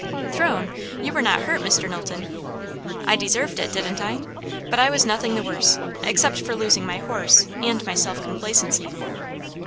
"Thrown! You were not hurt, Mr. Knowlton?" "I deserved it, didn't? But I was nothing the worse except for losing my horse, and my self complacency."